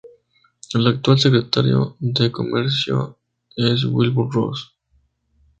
El actual secretario de Comercio es Wilbur Ross.